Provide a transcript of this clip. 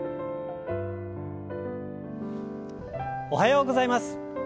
おはようございます。